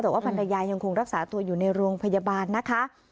แต่ว่าภรรยายังคงรักษาตัวอยู่ในโรงพยาบาลนะคะ